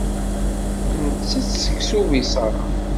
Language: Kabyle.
Ntett seksu ubiṣaṛ.